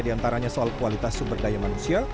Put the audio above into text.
diantaranya soal kualitas sumber daya manusia